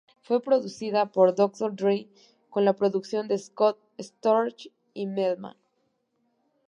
Fue producida por Dr. Dre con la co-producción de Scott Storch y Mel-Man.